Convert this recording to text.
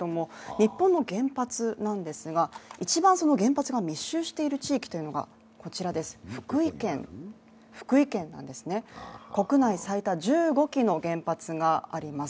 日本の原発なんですが、一番原発が密集している地域が福井県なんですね、国内最多１５基の原発があります。